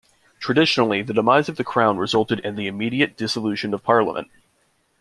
Traditionally, the demise of the Crown resulted in the immediate dissolution of Parliament.